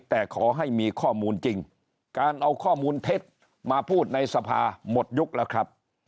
แต่ขอให้มีข้อมูลจริงการเอาข้อมูลเท็จมาพูดในสภาหมดยุคแล้วครับ